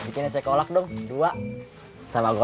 potential istimewa untuk bra taco